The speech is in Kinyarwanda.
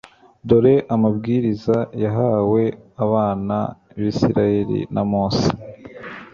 Dore amabwiriza yahawe abana b'Isiraeli na Mose